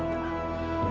oh oh oh tenang tenang